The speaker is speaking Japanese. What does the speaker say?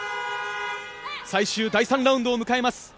最終第３ラウンドを迎えます。